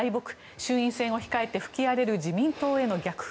衆院選を控えて吹き荒れる自民党への逆風。